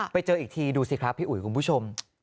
ไปเจออีกทีดูสิครับพี่อุ๋ยคุณผู้ชม